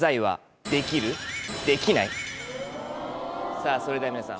さぁそれでは皆さん